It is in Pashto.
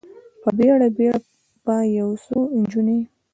په بیړه، بیړه به یو څو نجونې،